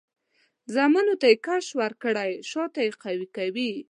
زامنو ته یې کش ورکړی؛ شاته یې قوي کوي.